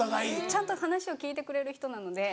ちゃんと話を聞いてくれる人なので。